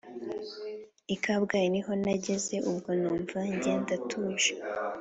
i kabgayi niho nageze ubwo numva njye ndatuje